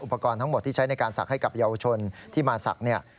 อุปกรณ์ทั้งหมดที่ใช้ในการศักดิ์ให้กับเยาวชนที่มาศักดิ์เนี่ย